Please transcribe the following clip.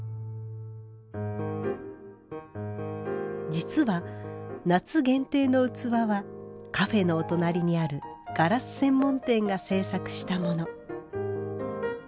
実は夏限定の器はカフェのお隣にあるガラス専門店が制作したもの。